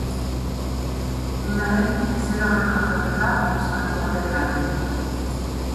Dena den, izen horren jatorria ez dago batere argi.